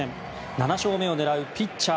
７勝目を狙うピッチャー